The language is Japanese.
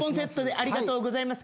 ありがとうございます。